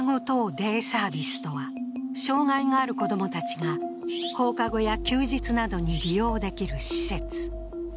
デイサービスとは障害がある子供たちが放課後や休日などに利用できる施設。